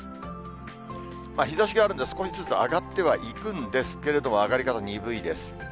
日ざしがあるんで、少しずつ上がってはいるんですけれども、上がり方鈍いです。